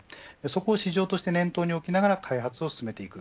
そこを市場として念頭に置きながら開発していく。